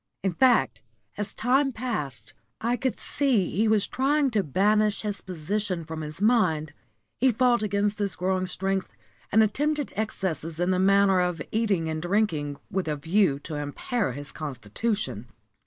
In fact, as time passed, I could see he was trying to banish his position from his mind. He fought against his growing strength, and attempted excesses in the matter of eating and drinking with a view to impair his constitution.